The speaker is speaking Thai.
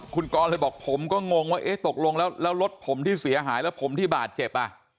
คุณกรเลยบอกผมก็งงว่าเอ๊ะตกลงแล้วรถผมที่เสียหายแล้วผมที่บาดเจ็บ